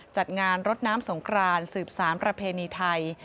จัดงานรดน้ำสงครานสืบสารประเพณีไทย